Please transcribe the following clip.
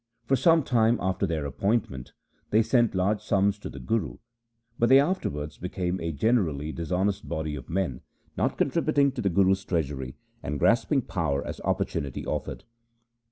1 For some time after their appointment they sent large sums to the Guru, but they afterwards became a generally dishonest body of men, not contributing to the Guru's treasury, and grasping power as opportunity offered.